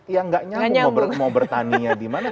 yang gak nyambung mau bertaninya dimana